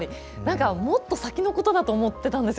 もっと先のことだと思ってたんですよ。